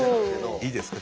いいですか？